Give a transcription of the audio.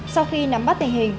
sau khi nắm bắt tình hình